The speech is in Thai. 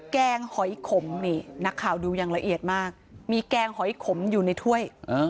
แกงหอยขมนี่นักข่าวดูอย่างละเอียดมากมีแกงหอยขมอยู่ในถ้วย